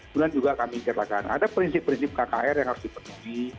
kemudian juga kami ceritakan ada prinsip prinsip kkr yang harus dipenuhi